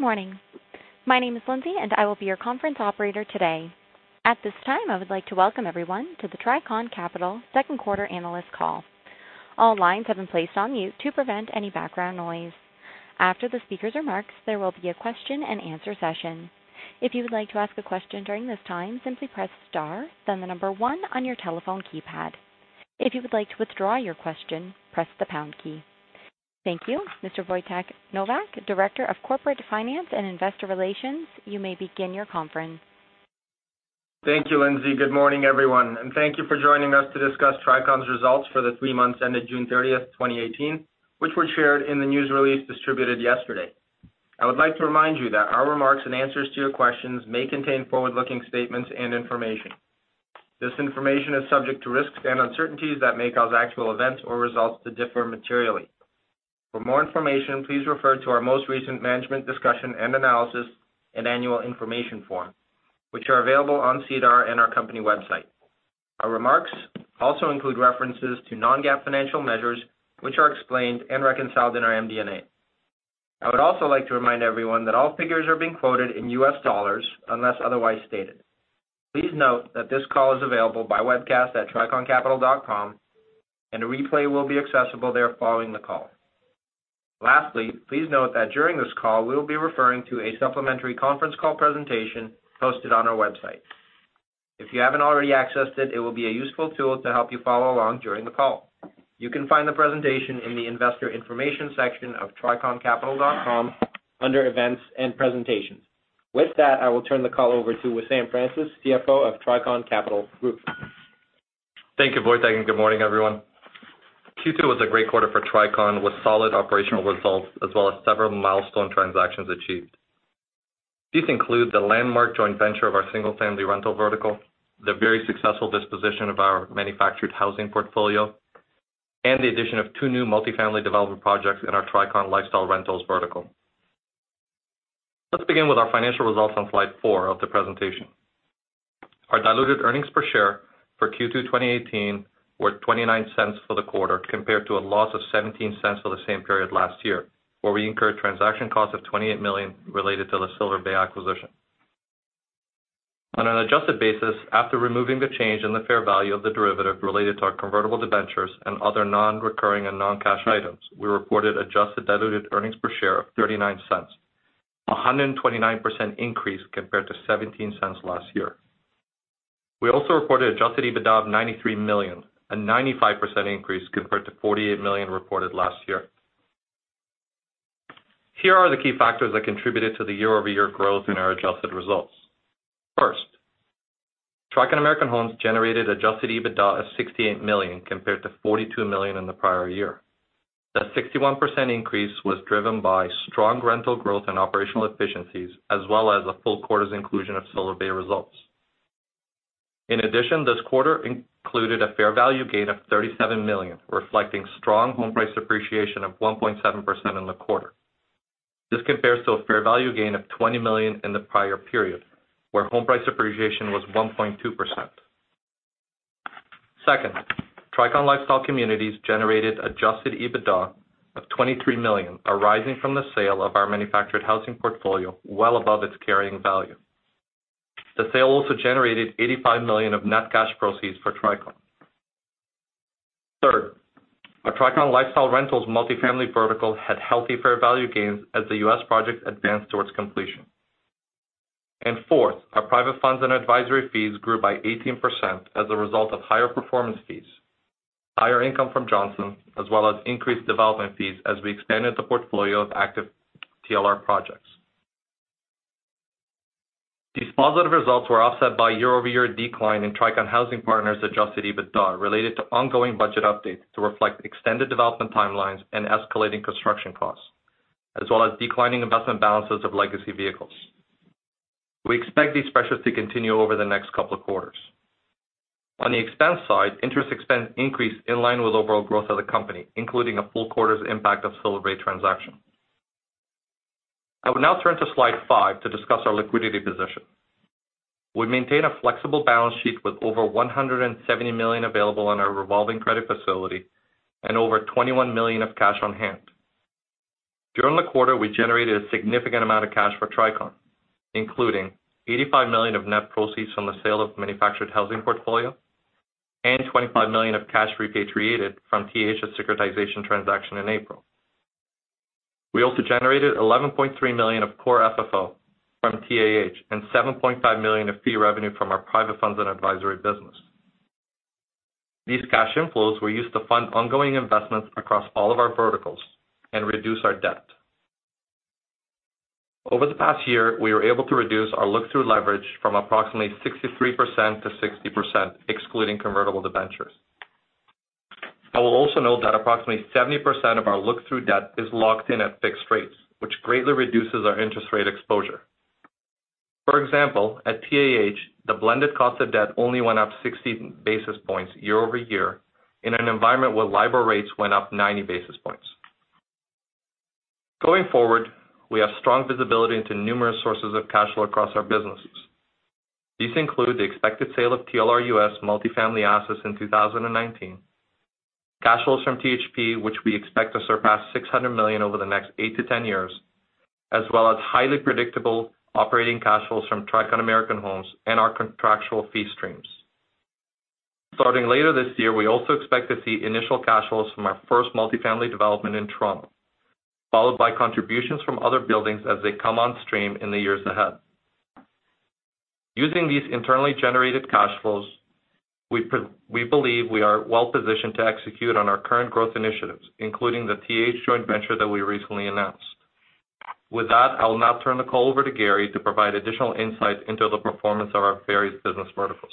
Good morning. My name is Lindsay, and I will be your conference operator today. At this time, I would like to welcome everyone to the Tricon Capital second quarter analyst call. All lines have been placed on mute to prevent any background noise. After the speakers' remarks, there will be a question and answer session. If you would like to ask a question during this time, simply press star, then the number one on your telephone keypad. If you would like to withdraw your question, press the pound key. Thank you. Mr. Wojciech Nowak, Director of Corporate Finance and Investor Relations, you may begin your conference. Thank you, Lindsay. Good morning, everyone, and thank you for joining us to discuss Tricon's results for the three months ended June 30th, 2018, which were shared in the news release distributed yesterday. I would like to remind you that our remarks and answers to your questions may contain forward-looking statements and information. This information is subject to risks and uncertainties that may cause actual events or results to differ materially. For more information, please refer to our most recent management discussion and analysis and annual information form, which are available on SEDAR and our company website. Our remarks also include references to non-GAAP financial measures, which are explained and reconciled in our MD&A. I would also like to remind everyone that all figures are being quoted in US dollars unless otherwise stated. Please note that this call is available by webcast at triconcapital.com, and a replay will be accessible there following the call. Lastly, please note that during this call, we will be referring to a supplementary conference call presentation posted on our website. If you haven't already accessed it will be a useful tool to help you follow along during the call. You can find the presentation in the investor information section of triconcapital.com under events and presentations. With that, I will turn the call over to Wissam Francis, CFO of Tricon Capital Group. Thank you, Wojciech, and good morning, everyone. Q2 was a great quarter for Tricon with solid operational results as well as several milestone transactions achieved. These include the landmark joint venture of our single-family rental vertical, the very successful disposition of our manufactured housing portfolio, and the addition of two new multi-family development projects in our Tricon Lifestyle Rentals vertical. Let's begin with our financial results on slide four of the presentation. Our diluted earnings per share for Q2 2018 were $0.29 for the quarter, compared to a loss of $0.17 for the same period last year, where we incurred transaction costs of $28 million related to the Silver Bay acquisition. On an adjusted basis, after removing the change in the fair value of the derivative related to our convertible debentures and other non-recurring and non-cash items, we reported adjusted diluted earnings per share of $0.39, a 129% increase compared to $0.17 last year. We also reported adjusted EBITDA of $93 million, a 95% increase compared to $48 million reported last year. Here are the key factors that contributed to the year-over-year growth in our adjusted results. First, Tricon American Homes generated adjusted EBITDA of $68 million, compared to $42 million in the prior year. That 61% increase was driven by strong rental growth and operational efficiencies as well as a full quarter's inclusion of Silver Bay results. In addition, this quarter included a fair value gain of $37 million, reflecting strong home price appreciation of 1.7% in the quarter. This compares to a fair value gain of $20 million in the prior period, where home price appreciation was 1.2%. Second, Tricon Lifestyle Communities generated adjusted EBITDA of $23 million, arising from the sale of our manufactured housing portfolio well above its carrying value. The sale also generated $85 million of net cash proceeds for Tricon. Third, our Tricon Lifestyle Rentals multi-family vertical had healthy fair value gains as the U.S. project advanced towards completion. Fourth, our private funds and advisory fees grew by 18% as a result of higher performance fees, higher income from Johnson, as well as increased development fees as we expanded the portfolio of active TLR projects. These positive results were offset by year-over-year decline in Tricon Housing Partners' adjusted EBITDA related to ongoing budget updates to reflect extended development timelines and escalating construction costs, as well as declining investment balances of legacy vehicles. We expect these pressures to continue over the next couple of quarters. On the expense side, interest expense increased in line with overall growth of the company, including a full quarter's impact of Silver Bay transaction. I will now turn to slide five to discuss our liquidity position. We maintain a flexible balance sheet with over $170 million available on our revolving credit facility and over $21 million of cash on hand. During the quarter, we generated a significant amount of cash for Tricon, including $85 million of net proceeds from the sale of manufactured housing portfolio and $25 million of cash repatriated from TAH's securitization transaction in April. We also generated $11.3 million of Core FFO from TAH and $7.5 million of fee revenue from our private funds and advisory business. These cash inflows were used to fund ongoing investments across all of our verticals and reduce our debt. Over the past year, we were able to reduce our look-through leverage from approximately 63% to 60%, excluding convertible debentures. I will also note that approximately 70% of our look-through debt is locked in at fixed rates, which greatly reduces our interest rate exposure. For example, at TAH, the blended cost of debt only went up 60 basis points year-over-year in an environment where LIBOR rates went up 90 basis points. Going forward, we have strong visibility into numerous sources of cash flow across our businesses. These include the expected sale of TLR U.S. multifamily assets in 2019, cash flows from THP, which we expect to surpass $600 million over the next 8 to 10 years, as well as highly predictable operating cash flows from Tricon American Homes and our contractual fee streams. Starting later this year, we also expect to see initial cash flows from our first multifamily development in Toronto, followed by contributions from other buildings as they come on stream in the years ahead. Using these internally generated cash flows, we believe we are well-positioned to execute on our current growth initiatives, including the TH joint venture that we recently announced. With that, I will now turn the call over to Gary to provide additional insight into the performance of our various business verticals.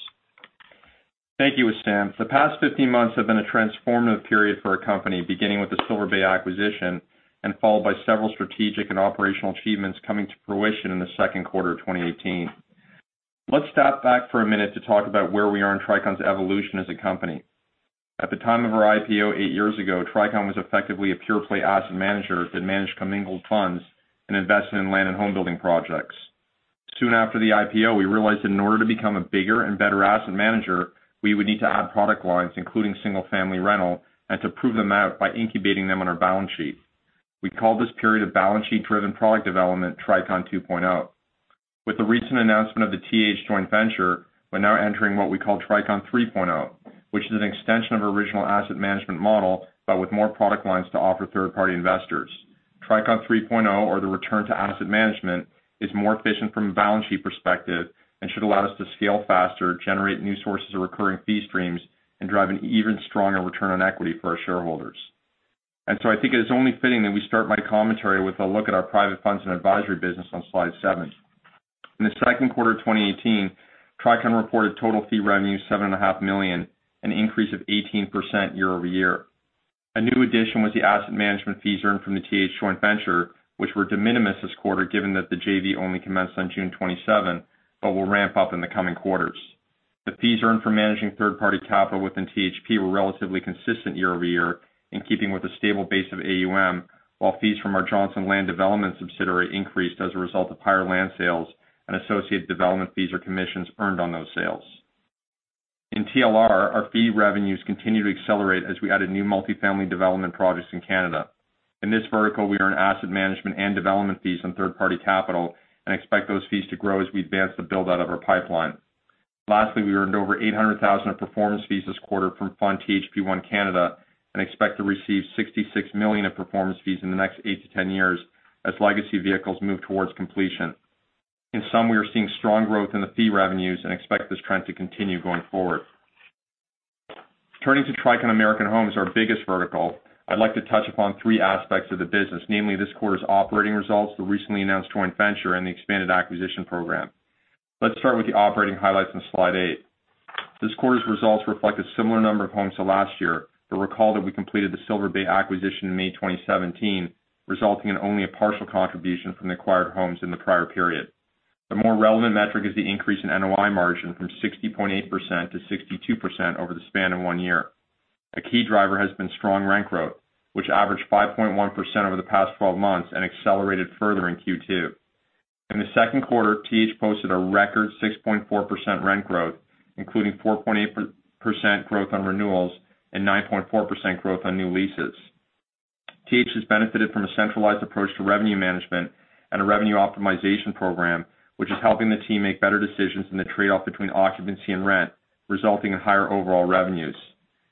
Thank you, Wissam. The past 15 months have been a transformative period for our company, beginning with the Silver Bay acquisition and followed by several strategic and operational achievements coming to fruition in the second quarter of 2018. Let's step back for a minute to talk about where we are in Tricon's evolution as a company. At the time of our IPO eight years ago, Tricon was effectively a pure-play asset manager that managed commingled funds and invested in land and home building projects. Soon after the IPO, we realized that in order to become a bigger and better asset manager, we would need to add product lines, including single-family rental, and to prove them out by incubating them on our balance sheet. We call this period of balance sheet-driven product development Tricon 2.0. With the recent announcement of the TH joint venture, we're now entering what we call Tricon 3.0, which is an extension of our original asset management model, but with more product lines to offer third-party investors. Tricon 3.0, or the return to asset management, is more efficient from a balance sheet perspective and should allow us to scale faster, generate new sources of recurring fee streams, and drive an even stronger return on equity for our shareholders. I think it is only fitting that we start my commentary with a look at our private funds and advisory business on slide seven. In the second quarter of 2018, Tricon reported total fee revenue of $7.5 million, an increase of 18% year-over-year. A new addition was the asset management fees earned from the TH joint venture, which were de minimis this quarter, given that the JV only commenced on June 27, but will ramp up in the coming quarters. The fees earned from managing third-party capital within THP were relatively consistent year-over-year, in keeping with a stable base of AUM, while fees from our Johnson Development subsidiary increased as a result of higher land sales and associated development fees or commissions earned on those sales. In TLR, our fee revenues continue to accelerate as we added new multifamily development projects in Canada. In this vertical, we earn asset management and development fees on third-party capital and expect those fees to grow as we advance the build-out of our pipeline. We earned over $800,000 of performance fees this quarter from fund Tricon Housing Partners One Canada and expect to receive $66 million of performance fees in the next eight to 10 years as legacy vehicles move towards completion. We are seeing strong growth in the fee revenues and expect this trend to continue going forward. Turning to Tricon American Homes, our biggest vertical, I'd like to touch upon three aspects of the business, namely this quarter's operating results, the recently announced joint venture, and the expanded acquisition program. We start with the operating highlights on slide eight. This quarter's results reflect a similar number of homes to last year, recall that we completed the Silver Bay acquisition in May 2017, resulting in only a partial contribution from the acquired homes in the prior period. The more relevant metric is the increase in NOI margin from 60.8% to 62% over the span of one year. A key driver has been strong rent growth, which averaged 5.1% over the past 12 months and accelerated further in Q2. In the second quarter, TH posted a record 6.4% rent growth, including 4.8% growth on renewals and 9.4% growth on new leases. TH has benefited from a centralized approach to revenue management and a revenue optimization program, which is helping the team make better decisions in the trade-off between occupancy and rent, resulting in higher overall revenues.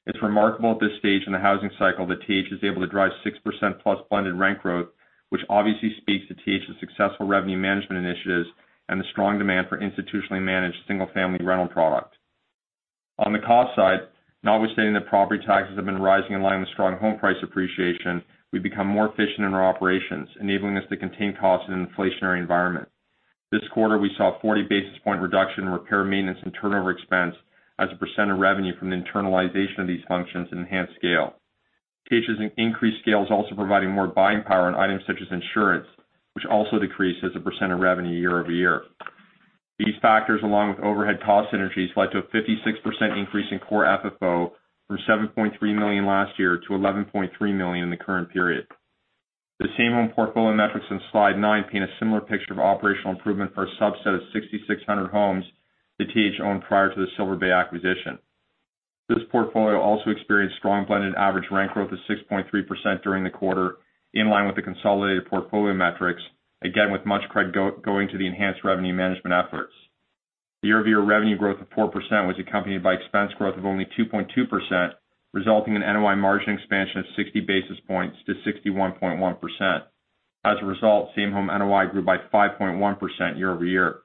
It's remarkable at this stage in the housing cycle that TH is able to drive 6% plus blended rent growth, which obviously speaks to TH's successful revenue management initiatives and the strong demand for institutionally managed single-family rental product. Notwithstanding that property taxes have been rising in line with strong home price appreciation, we've become more efficient in our operations, enabling us to contain costs in an inflationary environment. This quarter, we saw a 40-basis-point reduction in repair, maintenance, and turnover expense as a percent of revenue from the internalization of these functions and enhanced scale. TH's increased scale is also providing more buying power on items such as insurance, which also decreased as a percent of revenue year-over-year. These factors, along with overhead cost synergies, led to a 56% increase in Core FFO from $7.3 million last year to $11.3 million in the current period. The same-home portfolio metrics on slide nine paint a similar picture of operational improvement for a subset of 6,600 homes that TH owned prior to the Silver Bay acquisition. This portfolio also experienced strong blended average rent growth of 6.3% during the quarter, in line with the consolidated portfolio metrics, again, with much credit going to the enhanced revenue management efforts. The year-over-year revenue growth of 4% was accompanied by expense growth of only 2.2%, resulting in NOI margin expansion of 60 basis points to 61.1%. Same home NOI grew by 5.1% year-over-year.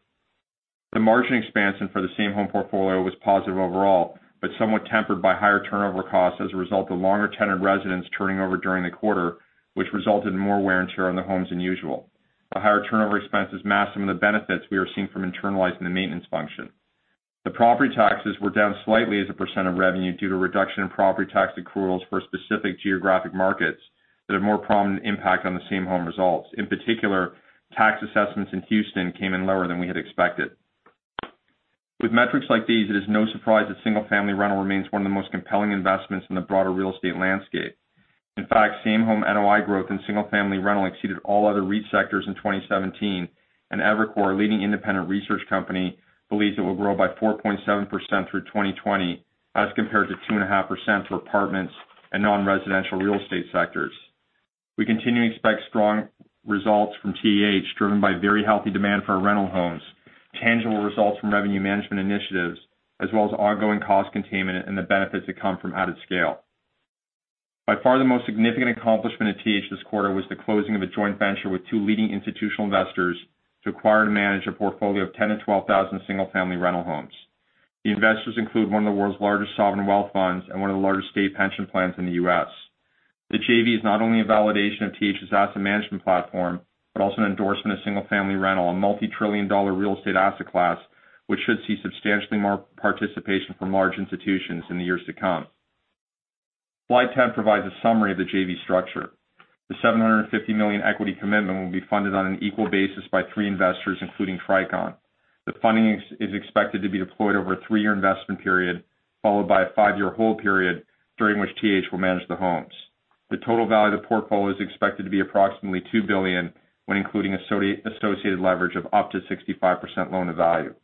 The margin expansion for the same home portfolio was positive overall, somewhat tempered by higher turnover costs as a result of longer-tenured residents turning over during the quarter, which resulted in more wear and tear on the homes than usual. The higher turnover expenses masked some of the benefits we are seeing from internalizing the maintenance function. The property taxes were down slightly as a % of revenue due to a reduction in property tax accruals for specific geographic markets that have more prominent impact on the same home results. In particular, tax assessments in Houston came in lower than we had expected. With metrics like these, it is no surprise that single-family rental remains one of the most compelling investments in the broader real estate landscape. In fact, same home NOI growth in single-family rental exceeded all other REIT sectors in 2017, and Evercore, a leading independent research company, believes it will grow by 4.7% through 2020 as compared to 2.5% for apartments and non-residential real estate sectors. We continue to expect strong results from TAH, driven by very healthy demand for rental homes, tangible results from revenue management initiatives, as well as ongoing cost containment and the benefits that come from added scale. By far, the most significant accomplishment at TAH this quarter was the closing of a joint venture with two leading institutional investors to acquire and manage a portfolio of 10,000 to 12,000 single-family rental homes. The investors include one of the world's largest sovereign wealth funds and one of the largest state pension plans in the U.S. The JV is not only a validation of TAH's asset management platform, but also an endorsement of single-family rental, a multi-trillion dollar real estate asset class, which should see substantially more participation from large institutions in the years to come. Slide 10 provides a summary of the JV structure. The $750 million equity commitment will be funded on an equal basis by three investors, including Tricon. The funding is expected to be deployed over a three-year investment period, followed by a five-year hold period, during which TAH will manage the homes. The total value of the portfolio is expected to be approximately $2 billion when including associated leverage of up to 65% loan to value.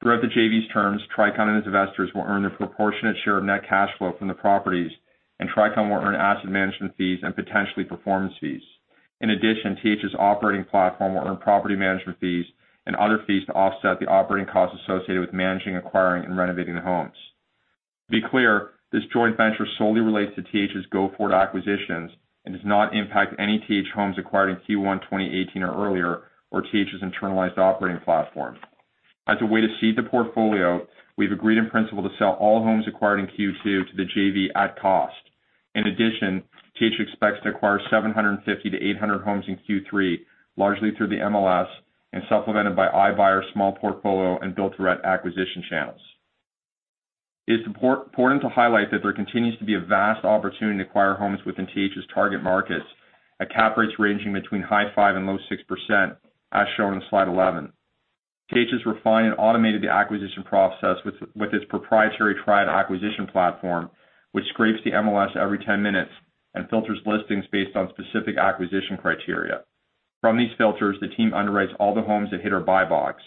Throughout the JV's terms, Tricon and its investors will earn their proportionate share of net cash flow from the properties, and Tricon will earn asset management fees and potentially performance fees. In addition, TAH's operating platform will earn property management fees and other fees to offset the operating costs associated with managing, acquiring, and renovating the homes. To be clear, this joint venture solely relates to TAH's go-forward acquisitions and does not impact any TAH homes acquired in Q1 2018 or earlier, or TAH's internalized operating platform. As a way to seed the portfolio, we've agreed in principle to sell all homes acquired in Q2 to the JV at cost. In addition, TAH expects to acquire 750 to 800 homes in Q3, largely through the MLS and supplemented by iBuyer small portfolio and build-to-rent acquisition channels. It's important to highlight that there continues to be a vast opportunity to acquire homes within TAH's target markets at cap rates ranging between high 5% and low 6%, as shown in slide 11. TAH has refined and automated the acquisition process with its proprietary TriAD acquisition platform, which scrapes the MLS every 10 minutes and filters listings based on specific acquisition criteria. From these filters, the team underwrites all the homes that hit our buy box.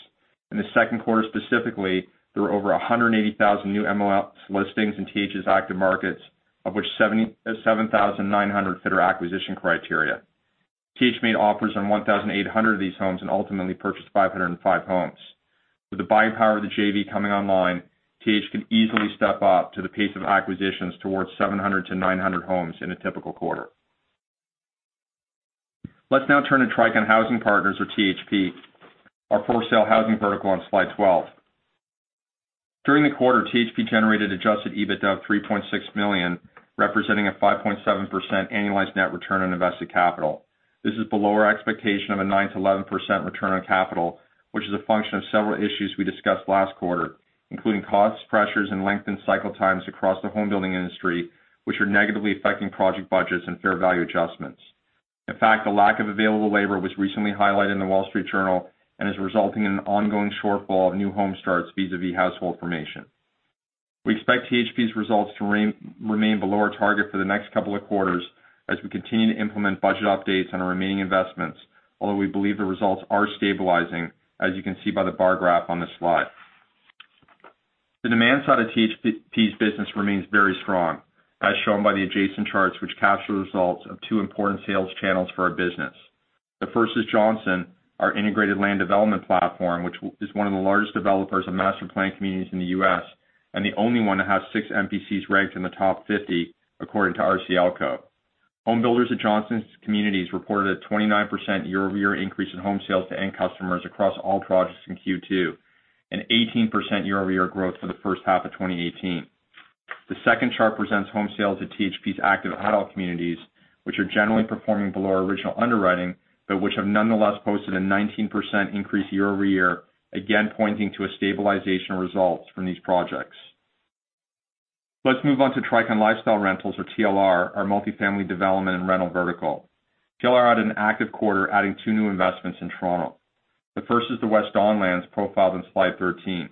In the second quarter specifically, there were over 180,000 new MLS listings in TAH's active markets, of which 7,900 fit our acquisition criteria. TAH made offers on 1,800 of these homes and ultimately purchased 505 homes. With the buying power of the JV coming online, TH can easily step up to the pace of acquisitions towards 700-900 homes in a typical quarter. Let's now turn to Tricon Housing Partners or THP, our for-sale housing vertical on slide 12. During the quarter, THP generated adjusted EBITDA of 3.6 million, representing a 5.7% annualized net return on invested capital. This is below our expectation of a 9%-11% return on capital, which is a function of several issues we discussed last quarter, including cost pressures and lengthened cycle times across the home building industry, which are negatively affecting project budgets and fair value adjustments. In fact, the lack of available labor was recently highlighted in The Wall Street Journal and is resulting in an ongoing shortfall of new home starts vis-a-vis household formation. We expect THP's results to remain below our target for the next couple of quarters as we continue to implement budget updates on our remaining investments, although we believe the results are stabilizing, as you can see by the bar graph on this slide. The demand side of THP's business remains very strong, as shown by the adjacent charts, which capture the results of two important sales channels for our business. The first is Johnson, our integrated land development platform, which is one of the largest developers of master-planned communities in the U.S. and the only one that has six MPCs ranked in the top 50, according to RCLCO. Home builders at Johnson's communities reported a 29% year-over-year increase in home sales to end customers across all projects in Q2, an 18% year-over-year growth for the first half of 2018. The second chart presents home sales at THP's active adult communities, which are generally performing below our original underwriting, but which have nonetheless posted a 19% increase year-over-year, again, pointing to a stabilization of results from these projects. Let's move on to Tricon Lifestyle Rentals or TLR, our multifamily development and rental vertical. TLR had an active quarter, adding two new investments in Toronto. The first is the West Don Lands profiled in slide 13.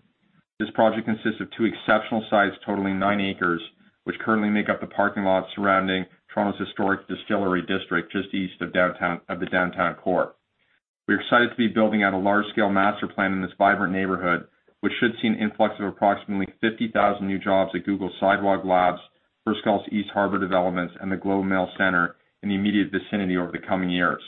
This project consists of two exceptional sites totaling nine acres, which currently make up the parking lot surrounding Toronto's historic distillery district just east of the downtown core. We are excited to be building out a large-scale master plan in this vibrant neighborhood, which should see an influx of approximately 50,000 new jobs at Google Sidewalk Labs, First Gulf's East Harbour developments, and The Globe and Mail Centre in the immediate vicinity over the coming years.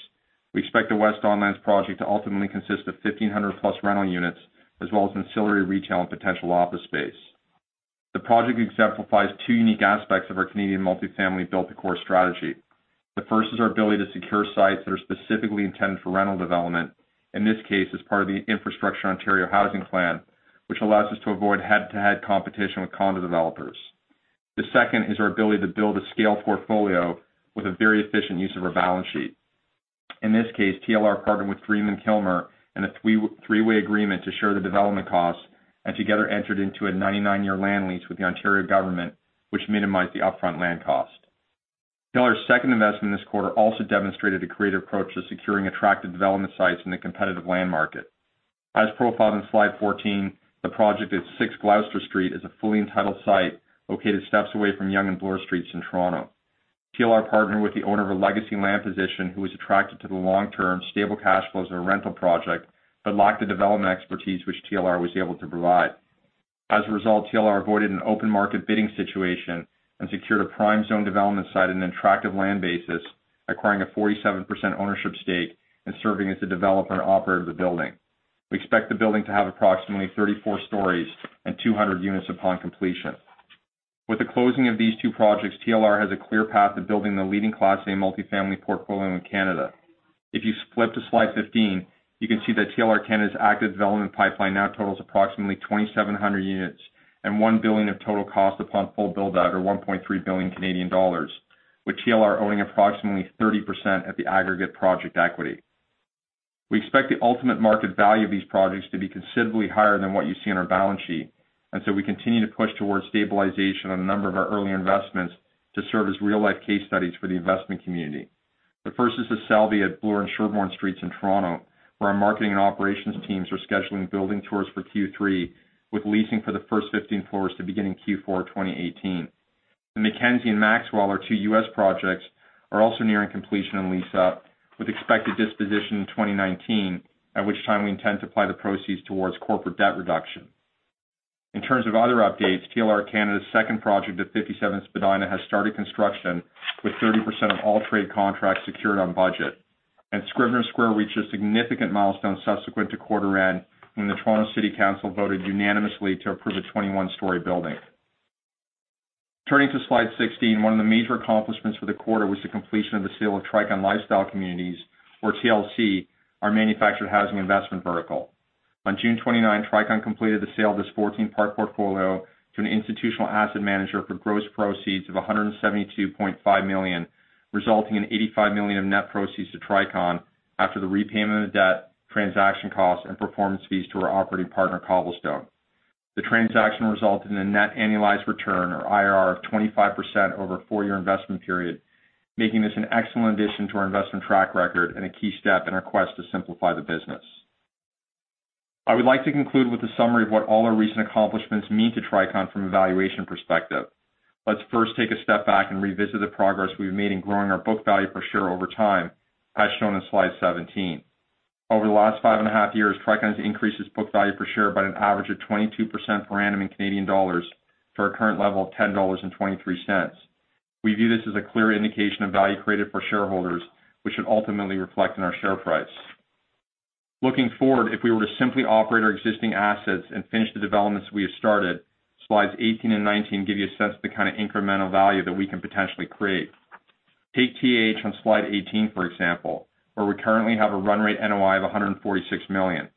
We expect the West Don Lands project to ultimately consist of 1,500-plus rental units, as well as ancillary retail and potential office space. The project exemplifies two unique aspects of our Canadian multifamily build to core strategy. The first is our ability to secure sites that are specifically intended for rental development, in this case as part of the Infrastructure Ontario housing plan, which allows us to avoid head-to-head competition with condo developers. The second is our ability to build a scaled portfolio with a very efficient use of our balance sheet. In this case, TLR partnered with Green and Kilmer in a three-way agreement to share the development costs and together entered into a 99-year land lease with the Ontario government, which minimized the upfront land cost. TLR's second investment this quarter also demonstrated a creative approach to securing attractive development sites in the competitive land market. As profiled in slide 14, the project at 6 Gloucester Street is a fully entitled site located steps away from Yonge and Bloor Streets in Toronto. TLR partnered with the owner of a legacy land position who was attracted to the long-term stable cash flows of a rental project, but lacked the development expertise which TLR was able to provide. As a result, TLR avoided an open market bidding situation and secured a prime zone development site at an attractive land basis, acquiring a 47% ownership stake and serving as the developer and operator of the building. We expect the building to have approximately 34 stories and 200 units upon completion. With the closing of these two projects, TLR has a clear path to building the leading Class A multifamily portfolio in Canada. If you flip to slide 15, you can see that TLR Canada's active development pipeline now totals approximately 2,700 units and 1 billion of total cost upon full build-out or 1.3 billion Canadian dollars, with TLR owning approximately 30% of the aggregate project equity. We expect the ultimate market value of these projects to be considerably higher than what you see on our balance sheet, and so we continue to push towards stabilization on a number of our early investments to serve as real-life case studies for the investment community. The first is The Selby at Bloor and Sherbourne Streets in Toronto, where our marketing and operations teams are scheduling building tours for Q3, with leasing for the first 15 floors to begin in Q4 2018. The McKenzie and Maxwell, our two U.S. projects, are also nearing completion and lease-up, with expected disposition in 2019, at which time we intend to apply the proceeds towards corporate debt reduction. In terms of other updates, TLR Canada's second project at 57 Spadina has started construction with 30% of all trade contracts secured on budget. Scrivener Square reached a significant milestone subsequent to quarter end, when the Toronto City Council voted unanimously to approve a 21-story building. Turning to slide 16, one of the major accomplishments for the quarter was the completion of the sale of Tricon Lifestyle Communities, or TLC, our manufactured housing investment vertical. On June 29, Tricon completed the sale of this 14-part portfolio to an institutional asset manager for gross proceeds of $172.5 million, resulting in $85 million of net proceeds to Tricon after the repayment of the debt, transaction costs, and performance fees to our operating partner, Cobblestone. The transaction resulted in a net annualized return, or IRR, of 25% over a four-year investment period, making this an excellent addition to our investment track record and a key step in our quest to simplify the business. I would like to conclude with a summary of what all our recent accomplishments mean to Tricon from a valuation perspective. Let's first take a step back and revisit the progress we've made in growing our book value per share over time, as shown in slide 17. Over the last five and a half years, Tricon has increased its book value per share by an average of 22% per annum in Canadian dollars to our current level of 10.23 dollars. We view this as a clear indication of value created for shareholders, which should ultimately reflect in our share price. Looking forward, if we were to simply operate our existing assets and finish the developments we have started, slides 18 and 19 give you a sense of the kind of incremental value that we can potentially create. Take TH on slide 18, for example, where we currently have a run rate NOI of 146 million.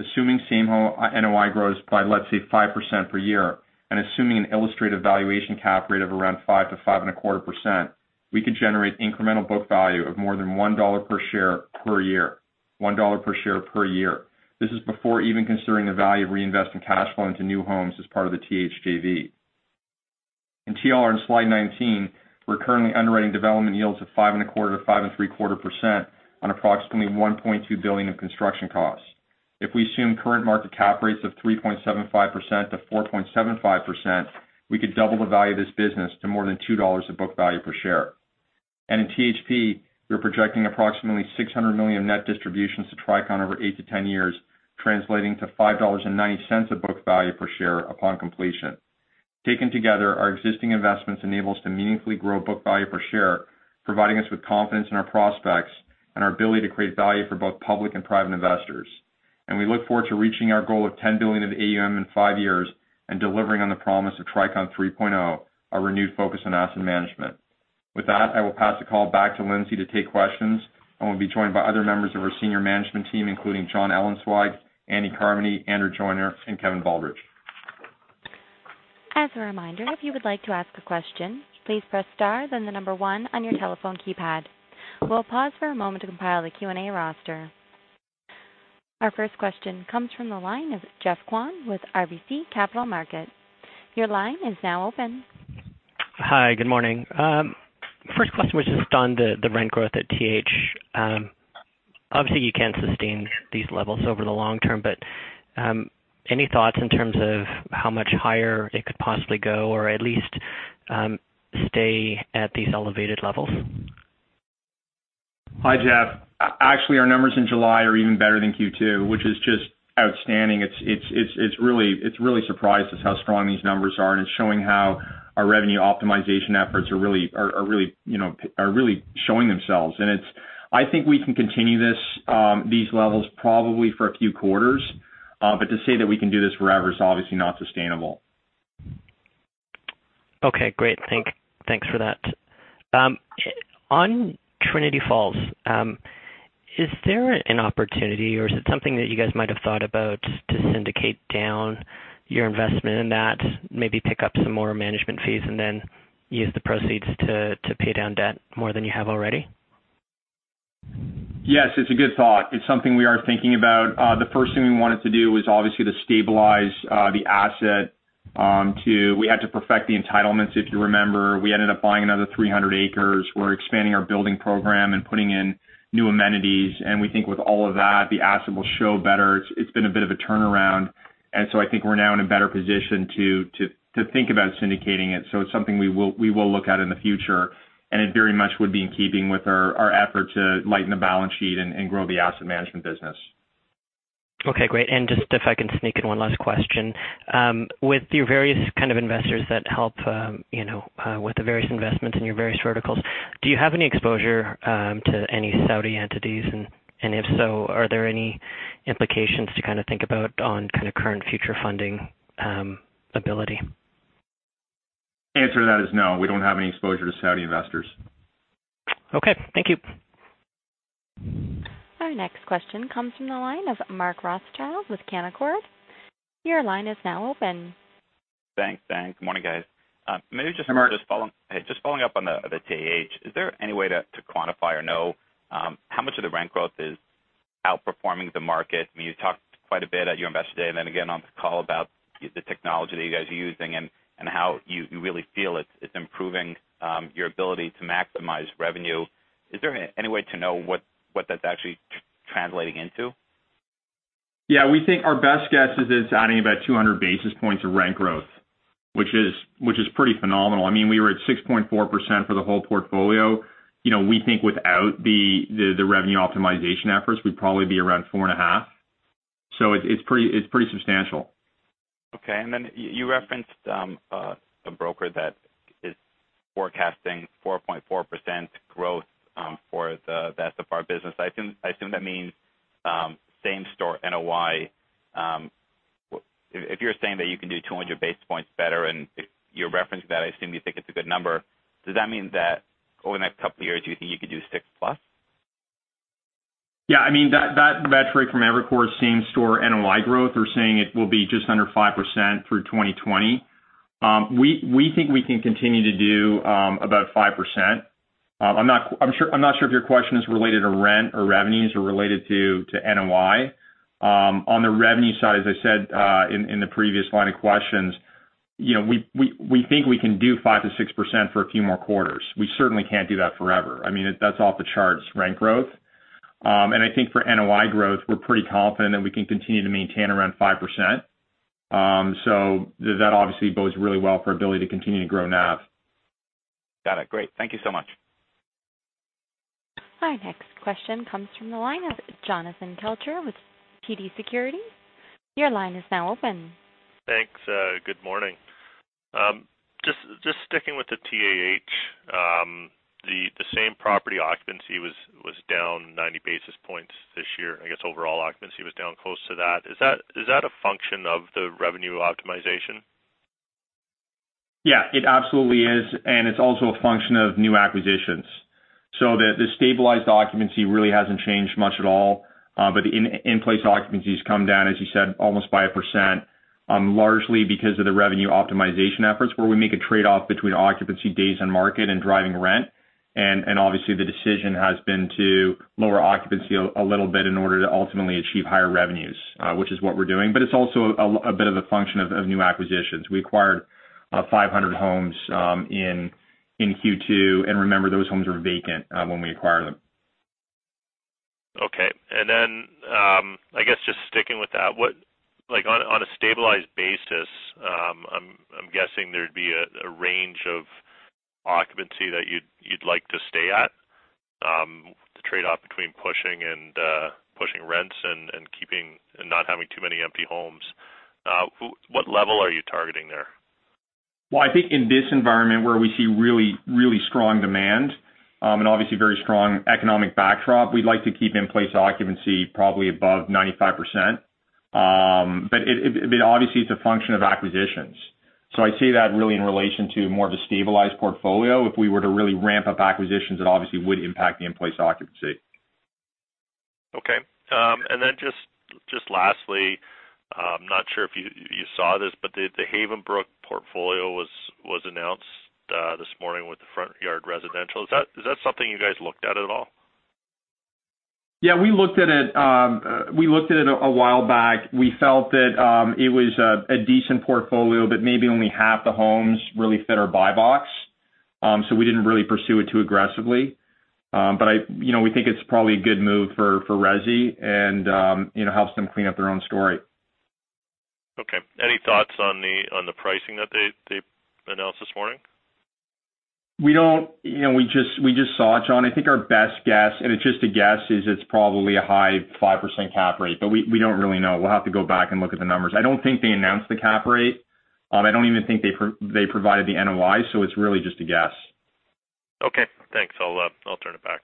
Assuming same NOI grows by, let's say, 5% per year, and assuming an illustrated valuation cap rate of around 5%-5.25%, we could generate incremental book value of more than 1 dollar per share per year. This is before even considering the value of reinvesting cash flow into new homes as part of the TH JV. In TLR in slide 19, we're currently underwriting development yields of 5.25%-5.75% on approximately 1.2 billion of construction costs. If we assume current market cap rates of 3.75%-4.75%, we could double the value of this business to more than 2 dollars of book value per share. In THP, we're projecting approximately 600 million of net distributions to Tricon over 8-10 years, translating to 5.90 dollars of book value per share upon completion. Taken together, our existing investments enable us to meaningfully grow book value per share, providing us with confidence in our prospects and our ability to create value for both public and private investors. We look forward to reaching our goal of 10 billion of AUM in five years and delivering on the promise of Tricon 3.0, our renewed focus on asset management. With that, I will pass the call back to Lindsay to take questions, and we'll be joined by other members of our senior management team, including John Ellenzweig, Andy Carmody, Andrew Joyner, and Kevin Baldridge. As a reminder, if you would like to ask a question, please press star then the number 1 on your telephone keypad. We'll pause for a moment to compile the Q&A roster. Our first question comes from the line of Jeff Kwan with RBC Capital Markets. Your line is now open. Hi, good morning. First question was just on the rent growth at TH. Obviously, you can't sustain these levels over the long term, any thoughts in terms of how much higher it could possibly go or at least stay at these elevated levels? Hi, Jeff. Actually, our numbers in July are even better than Q2, which is just outstanding. It really surprises us how strong these numbers are, and it's showing how our revenue optimization efforts are really showing themselves. I think we can continue these levels probably for a few quarters. But to say that we can do this forever is obviously not sustainable. Okay, great. Thanks for that. On Trinity Falls, is there an opportunity or is it something that you guys might have thought about to syndicate down your investment in that, maybe pick up some more management fees and then use the proceeds to pay down debt more than you have already? Yes, it's a good thought. It's something we are thinking about. The first thing we wanted to do was obviously to stabilize the asset. We had to perfect the entitlements, if you remember. We ended up buying another 300 acres. We're expanding our building program and putting in new amenities. We think with all of that, the asset will show better. It's been a bit of a turnaround. I think we're now in a better position to think about syndicating it. It's something we will look at in the future, and it very much would be in keeping with our effort to lighten the balance sheet and grow the asset management business. Okay, great. Just, if I can sneak in one last question. With your various kind of investors that help with the various investments in your various verticals, do you have any exposure to any Saudi entities? If so, are there any implications to kind of think about on kind of current future funding ability? Answer to that is no, we don't have any exposure to Saudi investors. Okay. Thank you. Our next question comes from the line of Mark Rothschild with Canaccord. Your line is now open. Thanks. Good morning, guys. Hi, Mark. Maybe just following up on the TAH. Is there any way to quantify or know how much of the rent growth is outperforming the market? You talked quite a bit at your investor day and then again on this call about the technology that you guys are using and how you really feel it's improving your ability to maximize revenue. Is there any way to know what that's actually translating into? We think our best guess is it's adding about 200 basis points of rent growth, which is pretty phenomenal. We were at 6.4% for the whole portfolio. We think without the revenue optimization efforts, we'd probably be around four and a half. It's pretty substantial. Okay. You referenced a broker that is forecasting 4.4% growth for the SFR business. I assume that means same-store NOI. If you're saying that you can do 200 basis points better and you're referencing that, I assume you think it's a good number. Does that mean that over the next couple of years, you think you could do 6%+? Yeah, that metric from Evercore same-store NOI growth, we're saying it will be just under 5% through 2020. We think we can continue to do about 5%. I'm not sure if your question is related to rent or revenues or related to NOI. On the revenue side, as I said in the previous line of questions, we think we can do 5%-6% for a few more quarters. We certainly can't do that forever. That's off-the-charts rent growth. I think for NOI growth, we're pretty confident that we can continue to maintain around 5%. That obviously bodes really well for ability to continue to grow NAV. Got it. Great. Thank you so much. Our next question comes from the line of Jonathan Kelcher with TD Securities. Your line is now open. Thanks. Good morning. Just sticking with the TAH. The same property occupancy was down 90 basis points this year. I guess overall occupancy was down close to that. Is that a function of the revenue optimization? Yeah, it absolutely is. It's also a function of new acquisitions. The stabilized occupancy really hasn't changed much at all, but the in-place occupancy has come down, as you said, almost 5%, largely because of the revenue optimization efforts, where we make a trade-off between occupancy days on market and driving rent. Obviously, the decision has been to lower occupancy a little bit in order to ultimately achieve higher revenues, which is what we're doing. It's also a bit of a function of new acquisitions. We acquired 500 homes in Q2, and remember, those homes were vacant when we acquired them. Okay. Then, I guess just sticking with that, on a stabilized basis, I'm guessing there'd be a range of occupancy that you'd like to stay at. The trade-off between pushing rents and not having too many empty homes. What level are you targeting there? Well, I think in this environment where we see really strong demand and obviously very strong economic backdrop, we'd like to keep in-place occupancy probably above 95%. Obviously, it's a function of acquisitions. I see that really in relation to more of a stabilized portfolio. If we were to really ramp up acquisitions, it obviously would impact the in-place occupancy. Okay. Just lastly, I'm not sure if you saw this, but the HavenBrook portfolio was announced this morning with the Front Yard Residential. Is that something you guys looked at at all? Yeah, we looked at it a while back. We felt that it was a decent portfolio, but maybe only half the homes really fit our buy box. We didn't really pursue it too aggressively. We think it's probably a good move for Resi and helps them clean up their own story. Okay. Any thoughts on the pricing that they announced this morning? We just saw it, John. I think our best guess, and it's just a guess, is it's probably a high 5% cap rate. We don't really know. We'll have to go back and look at the numbers. I don't think they announced the cap rate. I don't even think they provided the NOI. It's really just a guess. Okay. Thanks. I'll turn it back.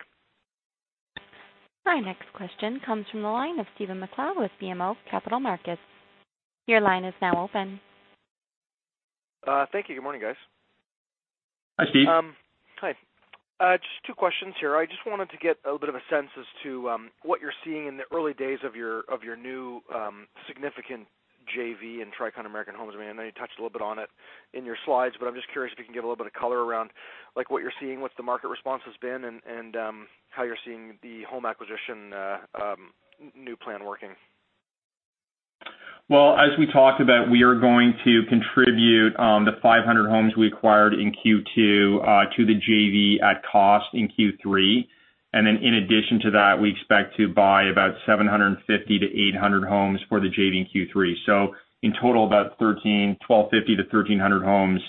Our next question comes from the line of Stephen MacLeod with BMO Capital Markets. Your line is now open. Thank you. Good morning, guys. Hi, Steve. Hi. Just two questions here. I just wanted to get a bit of a sense as to what you're seeing in the early days of your new significant JV in Tricon American Homes. I know you touched a little bit on it in your slides, but I'm just curious if you can give a little bit of color around what you're seeing, what the market response has been, and how you're seeing the home acquisition new plan working. Well, as we talked about, we are going to contribute the 500 homes we acquired in Q2 to the JV at cost in Q3. In addition to that, we expect to buy about 750 to 800 homes for the JV in Q3. In total, about 1,250 to 1,300 homes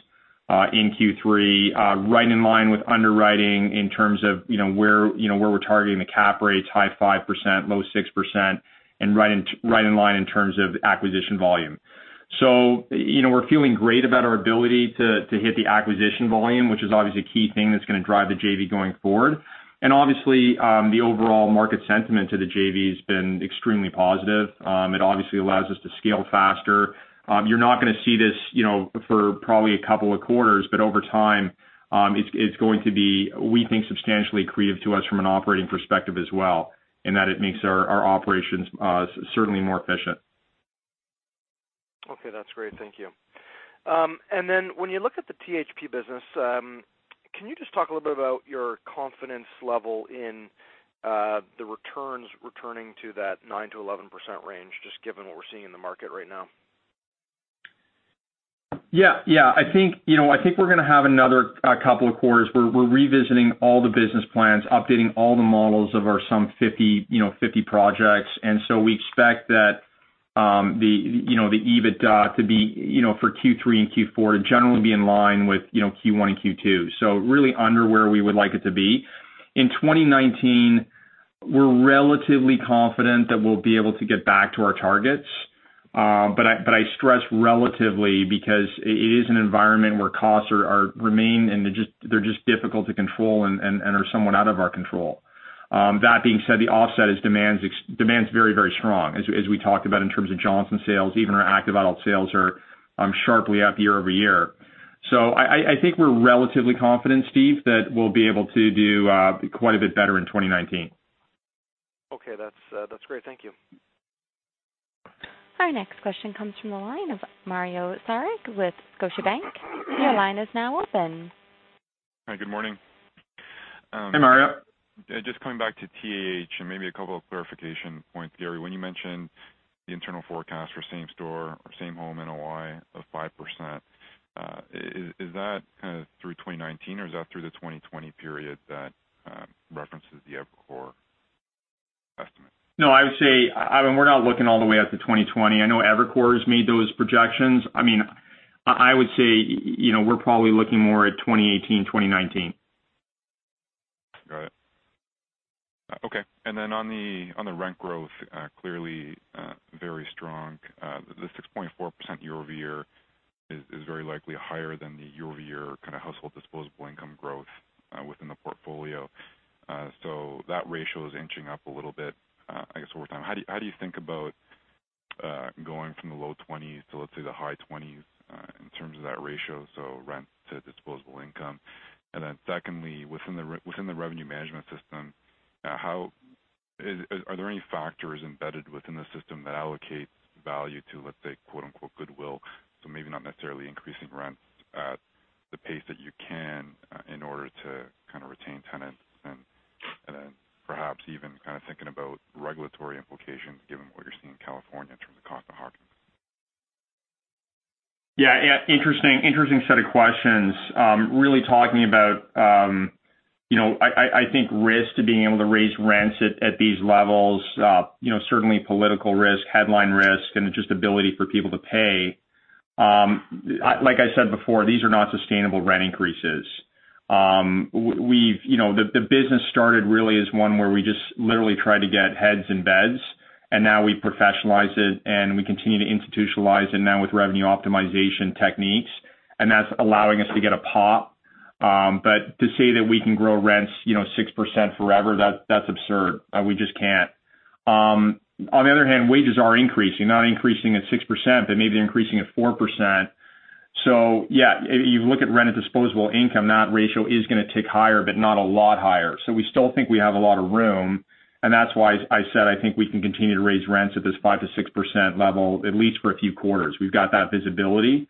in Q3. Right in line with underwriting in terms of where we're targeting the cap rates, high 5%, low 6%, and right in line in terms of acquisition volume. We're feeling great about our ability to hit the acquisition volume, which is obviously a key thing that's going to drive the JV going forward. Obviously, the overall market sentiment to the JV has been extremely positive. It obviously allows us to scale faster. You're not going to see this for probably a couple of quarters, over time, it's going to be, we think, substantially accretive to us from an operating perspective as well, in that it makes our operations certainly more efficient. Okay. That's great. Thank you. When you look at the THP business, can you just talk a little bit about your confidence level in the returns returning to that 9%-11% range, just given what we're seeing in the market right now? Yeah. I think we're going to have another couple of quarters where we're revisiting all the business plans, updating all the models of our some 50 projects. We expect that the EBITDA for Q3 and Q4 to generally be in line with Q1 and Q2. Really under where we would like it to be. In 2019, we're relatively confident that we'll be able to get back to our targets. I stress relatively, because it is an environment where costs remain, and they're just difficult to control and are somewhat out of our control. That being said, the offset is demand's very strong, as we talked about in terms of Johnson sales. Even our active adult sales are sharply up year-over-year. I think we're relatively confident, Steve, that we'll be able to do quite a bit better in 2019. Okay, that's great. Thank you. Our next question comes from the line of Mario Saric with Scotiabank. Your line is now open. Hi, good morning. Hey, Mario. Just coming back to TAH, and maybe a couple of clarification points. Gary, when you mentioned the internal forecast for same store or same home NOI of 5%, is that kind of through 2019, or is that through the 2020 period that references the Evercore estimate? No, I would say, we're not looking all the way out to 2020. I know Evercore has made those projections. I would say we're probably looking more at 2018, 2019. Got it. Okay. On the rent growth, clearly very strong. The 6.4% year-over-year is very likely higher than the year-over-year household disposable income growth within the portfolio. That ratio is inching up a little bit, I guess, over time. How do you think about going from the low 20s to, let's say, the high 20s, in terms of that ratio, so rent to disposable income? Secondly, within the revenue management system, are there any factors embedded within the system that allocate value to, let's say, quote unquote, goodwill? Maybe not necessarily increasing rents at the pace that you can in order to retain tenants, and then perhaps even kind of thinking about regulatory implications given what you're seeing in California in terms of cost of occupancy. Yeah. Interesting set of questions. Really talking about I think risk to being able to raise rents at these levels, certainly political risk, headline risk, and just ability for people to pay. Like I said before, these are not sustainable rent increases. The business started really as one where we just literally tried to get heads in beds, and now we professionalize it, and we continue to institutionalize it now with revenue optimization techniques, and that's allowing us to get a pop. To say that we can grow rents 6% forever, that's absurd. We just can't. On the other hand, wages are increasing. Not increasing at 6%, but maybe they're increasing at 4%. Yeah, you look at rent at disposable income, that ratio is going to tick higher, but not a lot higher. We still think we have a lot of room, and that's why I said I think we can continue to raise rents at this 5%-6% level, at least for a few quarters. We've got that visibility.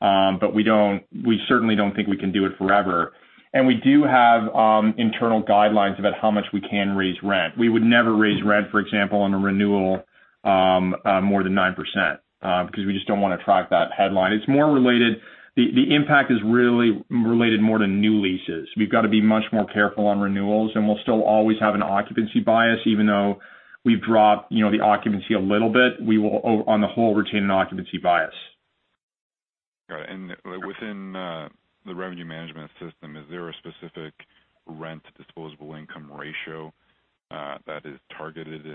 We certainly don't think we can do it forever. We do have internal guidelines about how much we can raise rent. We would never raise rent, for example, on a renewal more than 9%, because we just don't want to attract that headline. The impact is really related more to new leases. We've got to be much more careful on renewals, and we'll still always have an occupancy bias. Even though we've dropped the occupancy a little bit, we will on the whole retain an occupancy bias. Got it. Within the revenue management system, is there a specific rent to disposable income ratio that is targeted?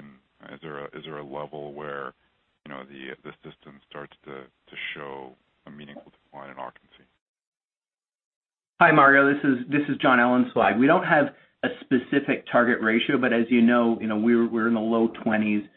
Is there a level where the system starts to show a meaningful decline in occupancy? Hi, Mario, this is John Ellenzweig. We don't have a specific target ratio, but as you know, we're in the low 20s.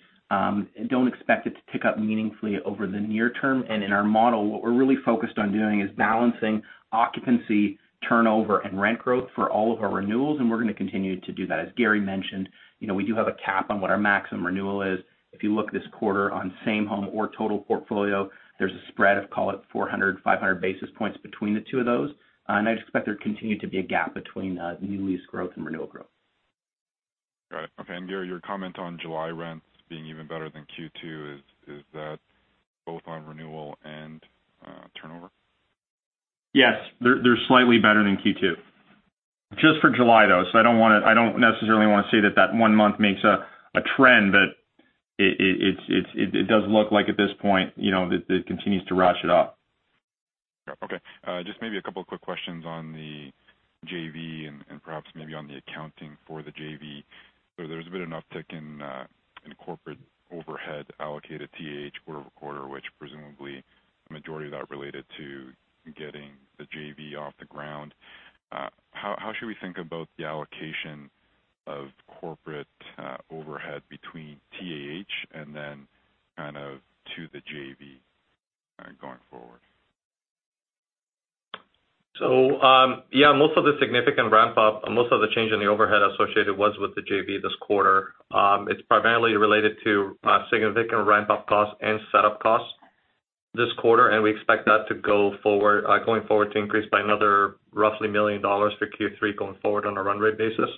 Don't expect it to tick up meaningfully over the near term. In our model, what we're really focused on doing is balancing occupancy, turnover, and rent growth for all of our renewals, and we're going to continue to do that. As Gary mentioned, we do have a cap on what our maximum renewal is. If you look this quarter on same home or total portfolio, there's a spread of, call it 400, 500 basis points between the two of those. I just expect there to continue to be a gap between new lease growth and renewal growth. Okay. Gary, your comment on July rents being even better than Q2, is that both on renewal and turnover? Yes. They're slightly better than Q2. Just for July, though, so I don't necessarily want to say that that one month makes a trend, but it does look like at this point, that it continues to ratchet up. Yeah. Okay. Just maybe a couple of quick questions on the JV and perhaps maybe on the accounting for the JV. There's been an uptick in corporate overhead allocated to TAH quarter-over-quarter, which presumably a majority of that related to getting the JV off the ground. How should we think about the allocation of corporate overhead between TAH and then to the JV going forward? Yeah, most of the significant ramp-up, most of the change in the overhead associated was with the JV this quarter. It is primarily related to significant ramp-up costs and setup costs this quarter, and we expect that going forward to increase by another roughly $1 million for Q3 going forward on a run rate basis.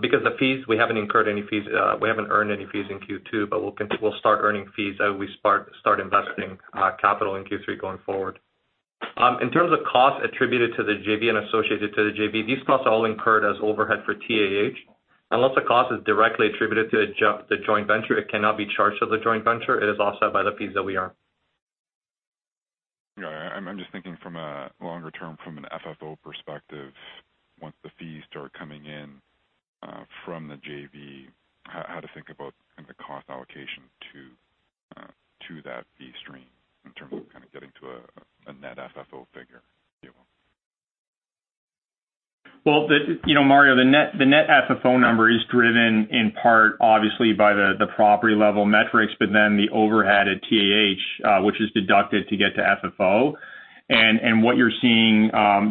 Because the fees, we haven't incurred any fees. We haven't earned any fees in Q2, but we'll start earning fees as we start investing capital in Q3 going forward. In terms of costs attributed to the JV and associated to the JV, these costs are all incurred as overhead for TAH. Unless the cost is directly attributed to the joint venture, it cannot be charged to the joint venture. It is offset by the fees that we earn. Yeah. I'm just thinking from a longer term, from an FFO perspective, once the fees start coming in from the JV, how to think about the cost allocation to that fee stream in terms of kind of getting to a net FFO figure. Well, Mario, the net FFO number is driven in part, obviously, by the property-level metrics, but then the overhead at TAH, which is deducted to get to FFO. What you're seeing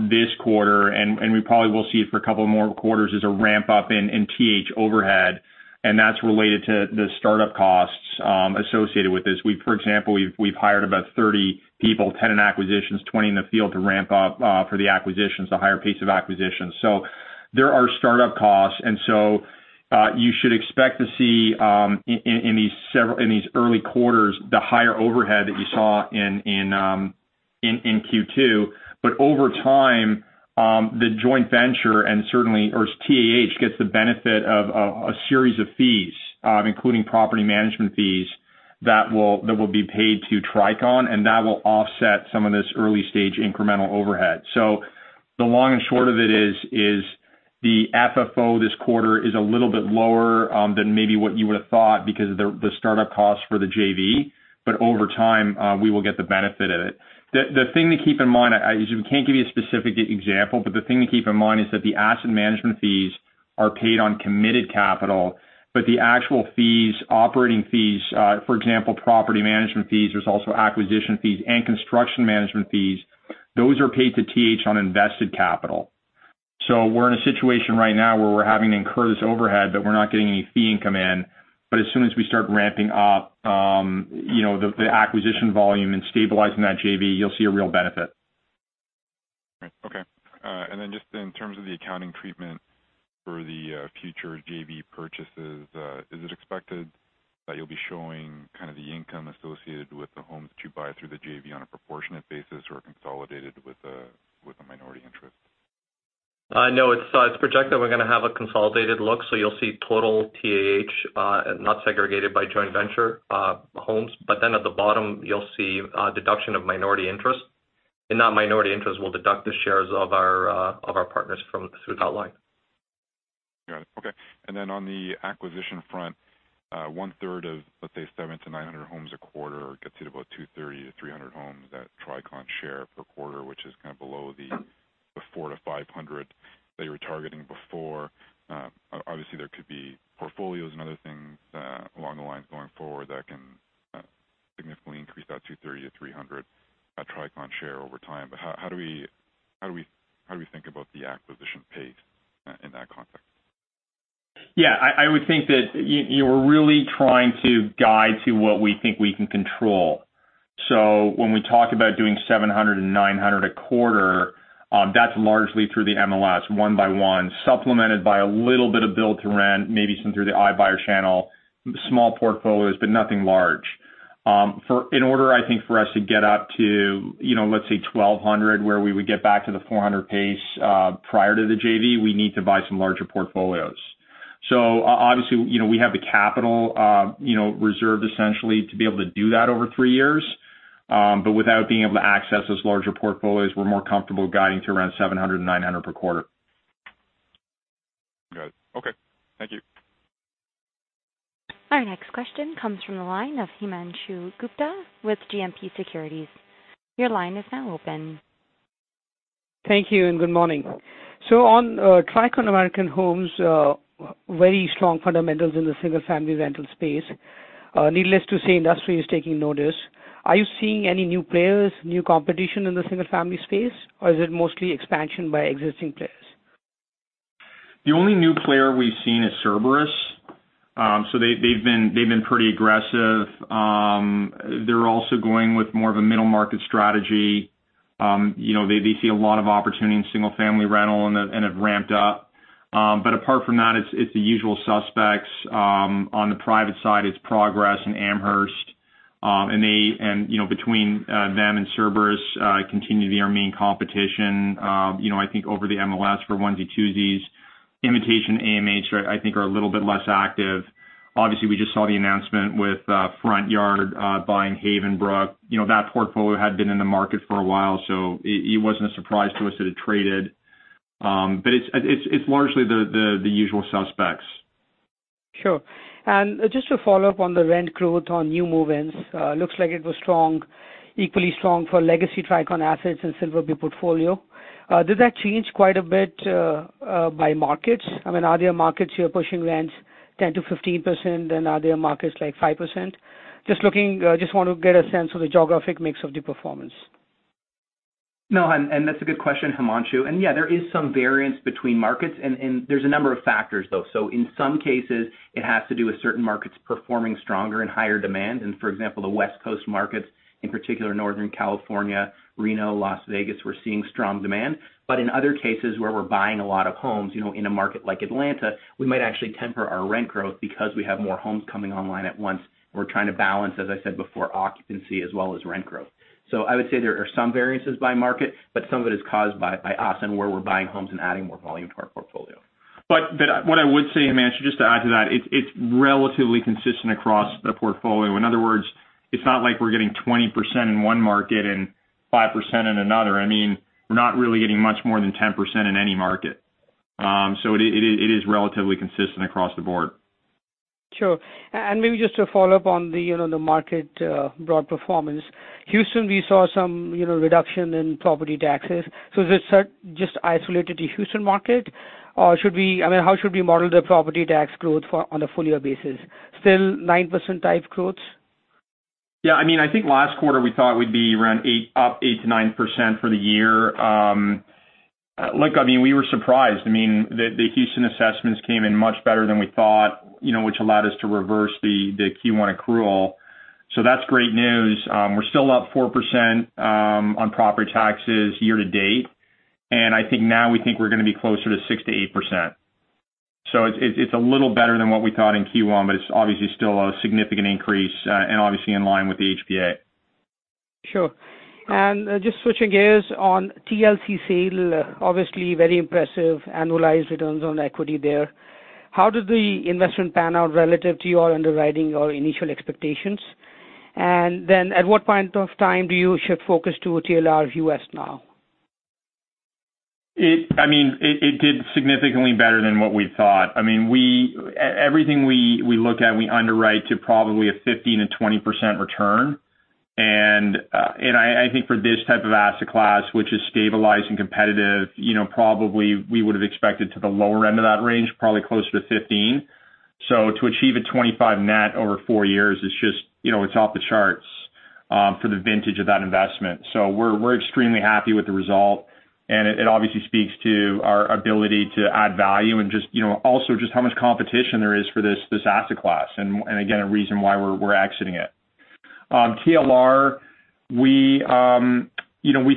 this quarter, and we probably will see it for a couple more quarters, is a ramp-up in TAH overhead, and that's related to the startup costs associated with this. For example, we've hired about 30 people, tenant acquisitions, 20 in the field to ramp up for the acquisitions, the higher pace of acquisitions. There are startup costs, you should expect to see in these early quarters, the higher overhead that you saw in Q2. Over time, the joint venture or TAH gets the benefit of a series of fees, including property management fees, that will be paid to Tricon, and that will offset some of this early-stage incremental overhead. The long and short of it is the FFO this quarter is a little bit lower than maybe what you would've thought because of the startup costs for the JV. Over time, we will get the benefit of it. We can't give you a specific example, the thing to keep in mind is that the asset management fees are paid on committed capital, the actual fees, operating fees, for example, property management fees, there's also acquisition fees and construction management fees, those are paid to TAH on invested capital. We're in a situation right now where we're having to incur this overhead, we're not getting any fee income in. As soon as we start ramping up the acquisition volume and stabilizing that JV, you'll see a real benefit. Right. Okay. Just in terms of the accounting treatment for the future JV purchases, is it expected that you'll be showing kind of the income associated with the homes that you buy through the JV on a proportionate basis or consolidated with the minority interest? No, it's projected we're going to have a consolidated look. You'll see total TAH, not segregated by joint venture homes. At the bottom, you'll see a deduction of minority interest. In that minority interest, we'll deduct the shares of our partners through that line. Got it. Okay. On the acquisition front, one-third of, let's say, 700 to 900 homes a quarter gets you to about 230 to 300 homes that Tricon share per quarter, which is kind of below the 400 to 500 that you were targeting before. Obviously, there could be portfolios and other things along the lines going forward that can significantly increase that 230 to 300 Tricon share over time. How do we think about the acquisition pace in that context? Yeah, I would think that you're really trying to guide to what we think we can control. When we talk about doing 700 and 900 a quarter, that's largely through the MLS, one by one, supplemented by a little bit of build-to-rent, maybe some through the iBuyer channel, small portfolios, but nothing large. In order, I think, for us to get up to, let's say, 1,200, where we would get back to the 400 pace prior to the JV, we need to buy some larger portfolios. Obviously, we have the capital reserved essentially to be able to do that over three years. Without being able to access those larger portfolios, we're more comfortable guiding to around 700 and 900 per quarter. Got it. Okay. Thank you. Our next question comes from the line of Himanshu Gupta with GMP Securities. Your line is now open. Thank you, and good morning. On Tricon American Homes, very strong fundamentals in the single-family rental space. Needless to say, industry is taking notice. Are you seeing any new players, new competition in the single-family space, or is it mostly expansion by existing players? The only new player we've seen is Cerberus. They've been pretty aggressive. They're also going with more of a middle-market strategy. They see a lot of opportunity in single-family rental and have ramped up. Apart from that, it's the usual suspects. On the private side, it's Progress and Amherst. Between them and Cerberus, continue to be our main competition. I think over the MLS for onesie-twosies. Invitation and AMH, I think are a little bit less active. Obviously, we just saw the announcement with Front Yard buying Havenbrook. That portfolio had been in the market for a while, so it wasn't a surprise to us that it traded. It's largely the usual suspects. Sure. Just to follow up on the rent growth on new move-ins. Looks like it was equally strong for legacy Tricon assets and Silver Bay portfolio. Did that change quite a bit by markets? I mean, are there markets you're pushing rents 10%-15%? Are there markets like 5%? Just want to get a sense of the geographic mix of the performance. That's a good question, Himanshu, and yeah, there is some variance between markets, and there's a number of factors, though. In some cases, it has to do with certain markets performing stronger in higher demand. For example, the West Coast markets, in particular Northern California, Reno, Las Vegas, we're seeing strong demand. In other cases where we're buying a lot of homes, in a market like Atlanta, we might actually temper our rent growth because we have more homes coming online at once. We're trying to balance, as I said before, occupancy as well as rent growth. I would say there are some variances by market, but some of it is caused by us and where we're buying homes and adding more volume to our portfolio. What I would say, Himanshu, just to add to that, it's relatively consistent across the portfolio. In other words, it's not like we're getting 20% in one market and 5% in another. I mean, we're not really getting much more than 10% in any market. It is relatively consistent across the board. Sure. Maybe just to follow up on the market broad performance. Houston, we saw some reduction in property taxes. Is this just isolated to Houston market? Or how should we model the property tax growth on a full-year basis? Still 9%-type growth? I think last quarter we thought we'd be around up 8%-9% for the year. We were surprised. The Houston assessments came in much better than we thought, which allowed us to reverse the Q1 accrual. That's great news. We're still up 4% on property taxes year-to-date. I think now we think we're going to be closer to 6%-8%. It's a little better than what we thought in Q1. It's obviously still a significant increase, obviously in line with the HPA. Sure. Just switching gears on TLC sale, obviously very impressive annualized returns on equity there. How did the investment pan out relative to your underwriting or initial expectations? At what point of time do you shift focus to TLR U.S. now? It did significantly better than what we thought. Everything we look at, we underwrite to probably a 15%-20% return. I think for this type of asset class, which is stabilized and competitive, probably we would have expected to the lower end of that range, probably closer to 15%. To achieve a 25% net over four years, it's off the charts for the vintage of that investment. We're extremely happy with the result. It obviously speaks to our ability to add value, also just how much competition there is for this asset class. Again, a reason why we're exiting it. TLR, we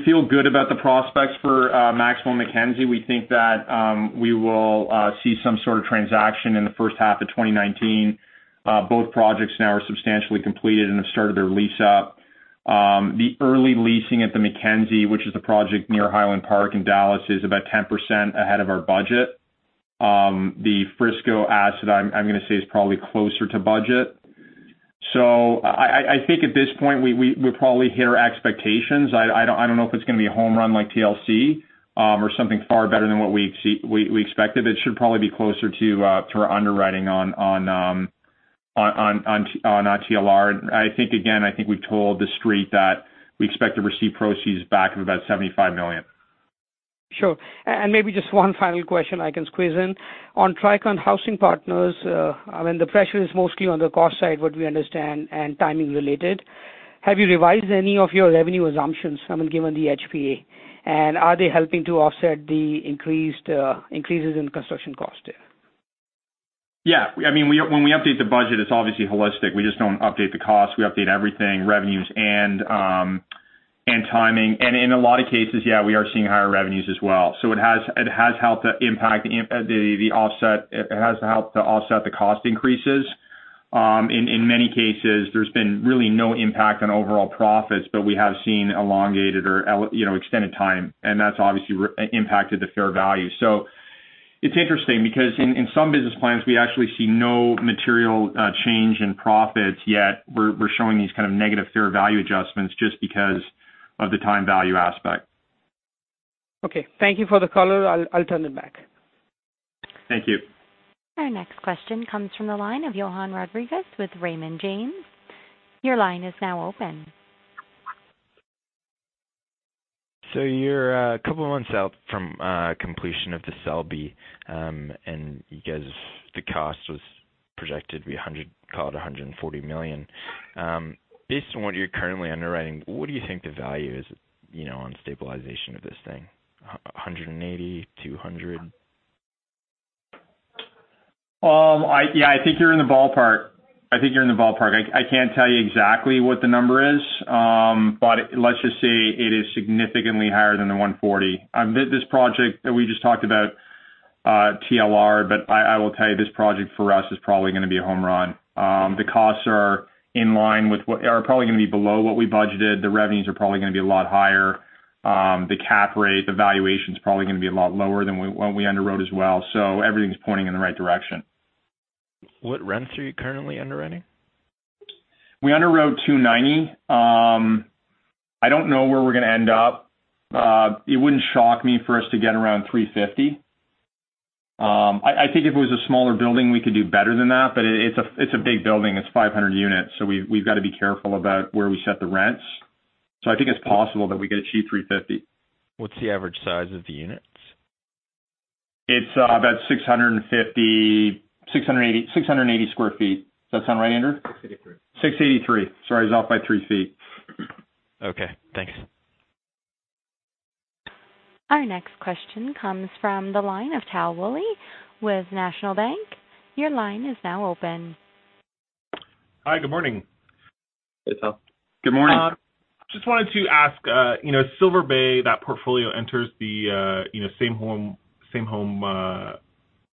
feel good about the prospects for The Maxwell and The McKenzie. We think that we will see some sort of transaction in the first half of 2019. Both projects now are substantially completed and have started their lease-up. The early leasing at The McKenzie, which is the project near Highland Park in Dallas, is about 10% ahead of our budget. The Frisco asset, I'm going to say, is probably closer to budget. I think at this point, we'll probably hit our expectations. I don't know if it's going to be a home run like TLC or something far better than what we expected. It should probably be closer to our underwriting on TLR. Again, I think we told the Street that we expect to receive proceeds back of about $75 million. Sure. Maybe just one final question I can squeeze in. On Tricon Housing Partners, the pressure is mostly on the cost side, what we understand, and timing related. Have you revised any of your revenue assumptions, given the HPA? Are they helping to offset the increases in construction cost there? Yeah. When we update the budget, it's obviously holistic. We just don't update the cost. We update everything, revenues and timing. In a lot of cases, yeah, we are seeing higher revenues as well. It has helped to offset the cost increases. In many cases, there's been really no impact on overall profits, but we have seen elongated or extended time, and that's obviously impacted the fair value. It's interesting because in some business plans, we actually see no material change in profits, yet we're showing these kind of negative fair value adjustments just because of the time value aspect. Okay. Thank you for the color. I'll turn it back. Thank you. Our next question comes from the line of Johann Rodrigues with Raymond James. Your line is now open. You're a couple of months out from completion of The Selby, and because the cost was projected to be called $140 million. Based on what you're currently underwriting, what do you think the value is on stabilization of this thing? $180, $200? I think you're in the ballpark. I can't tell you exactly what the number is, but let's just say it is significantly higher than the $140. This project that we just talked about, TLR, but I will tell you, this project for us is probably going to be a home run. The costs are probably going to be below what we budgeted. The revenues are probably going to be a lot higher. The cap rate, the valuation's probably going to be a lot lower than what we underwrote as well. Everything's pointing in the right direction. What rents are you currently underwriting? We underwrote $290. I don't know where we're going to end up. It wouldn't shock me for us to get around $350. I think if it was a smaller building, we could do better than that, but it's a big building. It's 500 units, so we've got to be careful about where we set the rents. I think it's possible that we could achieve $350. What's the average size of the units? It's about 650, 680 square feet. Does that sound right, Andrew? 683. 683. Sorry, I was off by three feet. Okay, thanks. Our next question comes from the line of Tal Woolley with National Bank. Your line is now open. Hi, good morning. Hey, Tal. Good morning. Just wanted to ask, Silver Bay, that portfolio enters the same home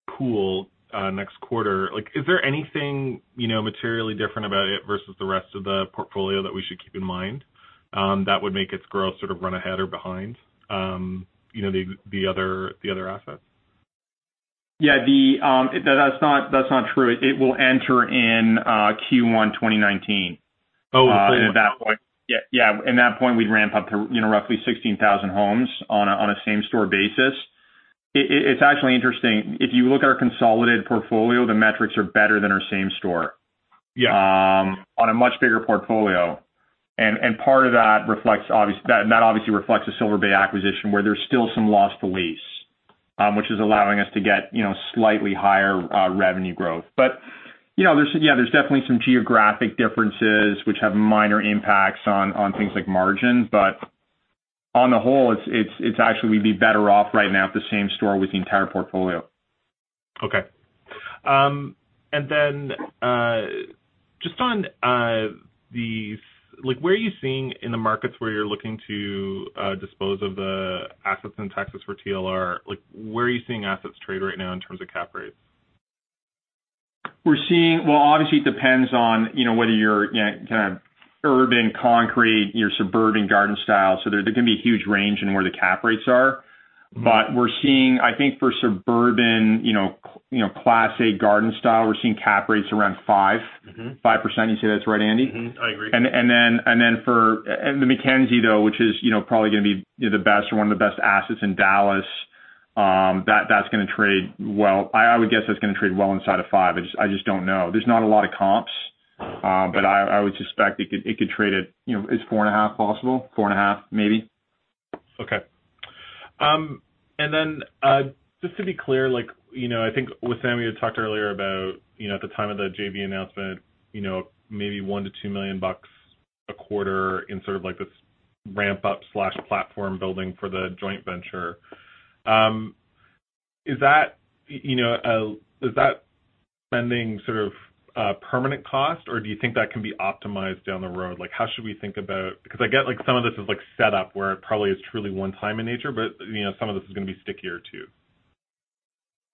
pool next quarter. Is there anything materially different about it versus the rest of the portfolio that we should keep in mind, that would make its growth sort of run ahead or behind the other assets? Yeah. That's not true. It will enter in Q1 2019. Oh. Yeah. In that point, we'd ramp up to roughly 16,000 homes on a same-store basis. It's actually interesting. If you look at our consolidated portfolio, the metrics are better than our same store. Yeah on a much bigger portfolio. That obviously reflects the Silver Bay acquisition, where there's still some loss to lease, which is allowing us to get slightly higher revenue growth. There's definitely some geographic differences which have minor impacts on things like margin, but on the whole, we'd be better off right now at the same store with the entire portfolio. Okay. Then, just on these, where are you seeing in the markets where you're looking to dispose of the assets in Texas for TLR? Where are you seeing assets trade right now in terms of cap rates? Well, obviously, it depends on whether you're urban concrete, you're suburban garden style, there can be a huge range in where the cap rates are. We're seeing, I think for suburban, Class A garden style, we're seeing cap rates around 5%. You'd say that's right, Andy? Mm-hmm. I agree. For The McKenzie, though, which is probably going to be the best or one of the best assets in Dallas, I would guess that's going to trade well inside of five. I just don't know. There's not a lot of comps. I would suspect it could trade at, is four and a half possible? Four and a half, maybe. Okay. Just to be clear, I think Wissam, you talked earlier about, at the time of the JV announcement, maybe 1 million-2 million bucks a quarter in sort of this ramp-up/platform building for the joint venture. Is that spending sort of a permanent cost, or do you think that can be optimized down the road? How should we think about I get some of this is set up where it probably is truly one-time in nature, but some of this is going to be stickier, too.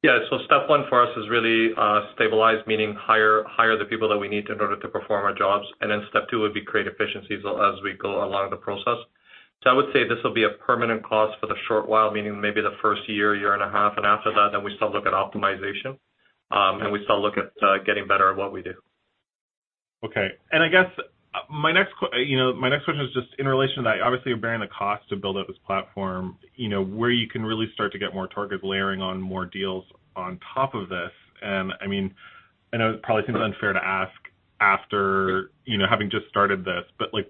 Yeah. Step one for us is really stabilize, meaning hire the people that we need to in order to perform our jobs. Step two would be create efficiencies as we go along the process. I would say this will be a permanent cost for the short while, meaning maybe the first year and a half, and after that, we still look at optimization, and we still look at getting better at what we do. Okay. I guess my next question is just in relation to that. Obviously, you're bearing the cost to build out this platform, where you can really start to get more target layering on more deals on top of this. I know it probably seems unfair to ask after having just started this,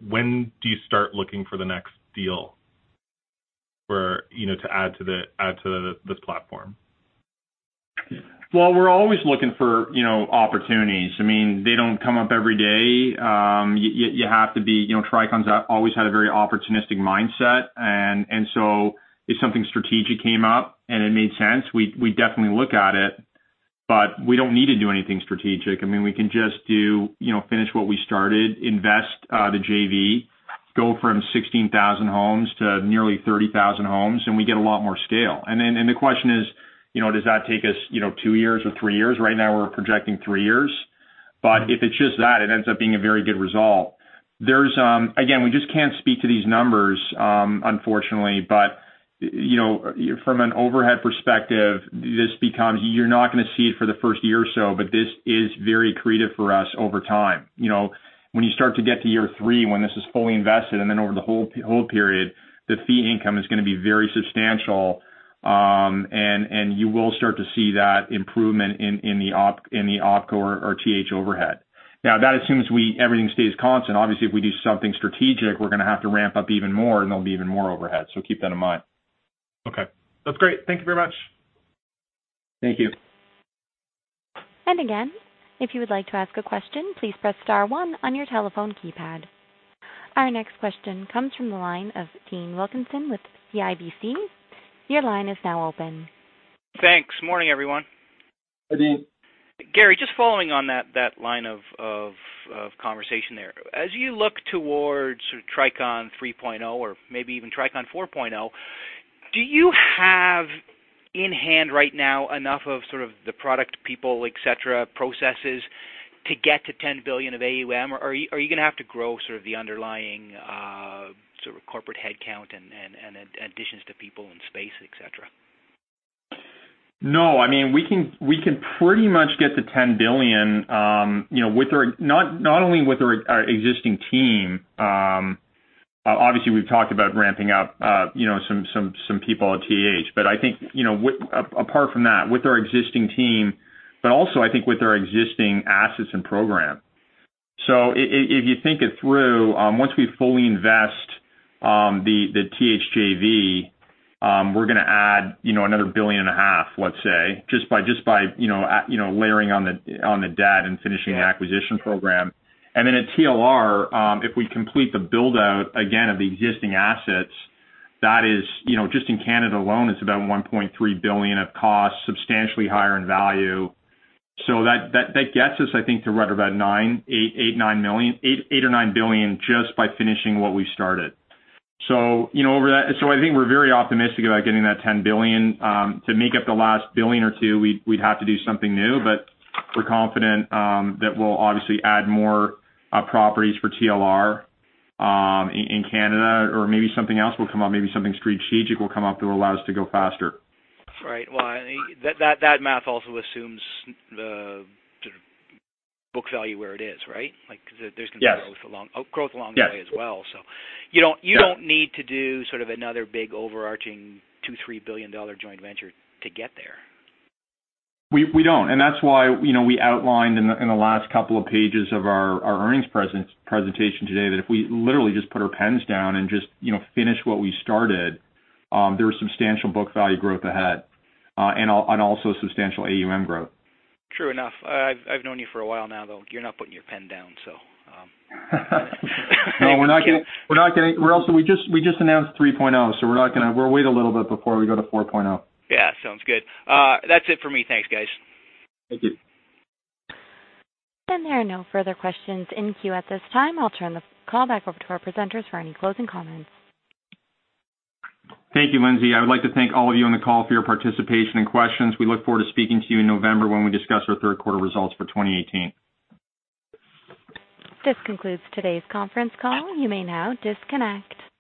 when do you start looking for the next deal to add to this platform? Well, we're always looking for opportunities. They don't come up every day. Tricon's always had a very opportunistic mindset, if something strategic came up and it made sense, we'd definitely look at it. We don't need to do anything strategic. We can just finish what we started, invest the JV, go from 16,000 homes to nearly 30,000 homes, we get a lot more scale. The question is: Does that take us two years or three years? Right now, we're projecting three years. If it's just that, it ends up being a very good result. Again, we just can't speak to these numbers, unfortunately. From an overhead perspective, you're not going to see it for the first year or so, but this is very accretive for us over time. When you start to get to year three, when this is fully invested over the whole period, the fee income is going to be very substantial. You will start to see that improvement in the OpCo or TAH overhead. That assumes everything stays constant. Obviously, if we do something strategic, we're going to have to ramp up even more, there'll be even more overhead. Keep that in mind. Okay. That's great. Thank you very much. Thank you. Again, if you would like to ask a question, please press star one on your telephone keypad. Our next question comes from the line of Dean Wilkinson with CIBC. Your line is now open. Thanks. Morning, everyone. Hi, Dean. Gary, just following on that line of conversation there. As you look towards Tricon 3.0 or maybe even Tricon 4.0, do you have in hand right now enough of sort of the product people, et cetera, processes to get to $10 billion of AUM? Are you going to have to grow sort of the underlying corporate headcount and additions to people and space, et cetera? No. We can pretty much get to $10 billion not only with our existing team. Obviously, we've talked about ramping up some people at TAH. I think apart from that, with our existing team, but also I think with our existing assets and program. If you think it through, once we fully invest the TAH JV, we're going to add another billion and a half, let's say, just by layering on the debt and finishing the acquisition program. Then at TLR, if we complete the build-out, again, of the existing assets, that is just in Canada alone, it's about $1.3 billion of cost, substantially higher in value. That gets us, I think, to right about $8 billion or $9 billion just by finishing what we started. I think we're very optimistic about getting that $10 billion. To make up the last $1 billion or $2 billion, we'd have to do something new, but we're confident that we'll obviously add more properties for TLR in Canada or maybe something else will come up, maybe something strategic will come up that will allow us to go faster. Right. Well, that math also assumes the sort of book value where it is, right? Like, because there's- Yes There's growth along the way as well, so. Yeah. You don't need to do sort of another big overarching $2 billion-$3 billion joint venture to get there. We don't, that's why we outlined in the last couple of pages of our earnings presentation today that if we literally just put our pens down and just finish what we started, there was substantial book value growth ahead and also substantial AUM growth. True enough. I've known you for a while now, though. You're not putting your pen down, so. No, we're not going to. We just announced 3.0, so we're not going to. We'll wait a little bit before we go to 4.0. Yeah. Sounds good. That's it for me. Thanks, guys. Thank you. There are no further questions in queue at this time. I'll turn the call back over to our presenters for any closing comments. Thank you, Lindsay. I would like to thank all of you on the call for your participation and questions. We look forward to speaking to you in November when we discuss our third quarter results for 2018. This concludes today's conference call. You may now disconnect.